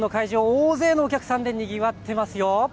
大勢のお客さんでにぎわってますよ。